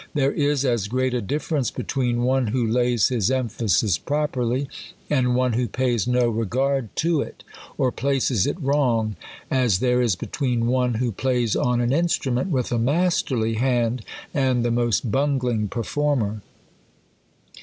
There is as great a difference between one who lays his emphasis properly, and one who pays no regard to it, or places it wrong, as there is between one who plays on an instrument with a masterly hand, and the most bungling performer.